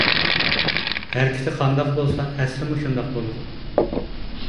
ھەرىكىتى قانداق بولسا، ئەسلىمۇ شۇنداق بولىدۇ.